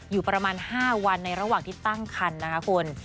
อยู่ประมาณ๕วันในระหว่างที่ตั้งคันนะคะคุณ